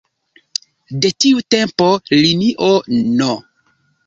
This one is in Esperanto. De tiu tempo linio No.